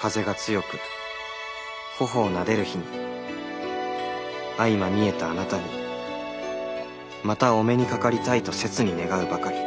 風が強く頬をなでる日に相まみえたあなたにまたお目にかかりたいと切に願うばかり。